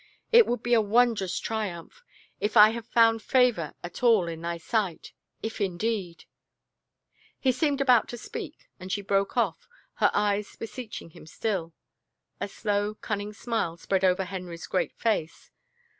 It would be a wondrous triumph. If I have found favor at all in thy sight — if indeed —" He seemed about to speak and she broke off, her eyes beseeching him still. A slow,_ cunning smile spread over Henry's great face.